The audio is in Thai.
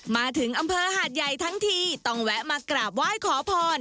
มาถึงอำเภอหาดใหญ่ทั้งทีต้องแวะมากราบไหว้ขอพร